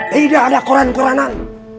tidak ada koran koranan